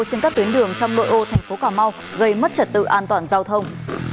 trên các tuyến đường trong nội ô tp cà mau gây mất trật tự an toàn giao thông